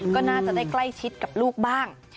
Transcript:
ก็น่าจะได้ใกล้ชิดกับลูกบ้าง